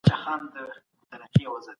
د هند د مغلي پاچهۍ له لښکرو سره وجنګېدل.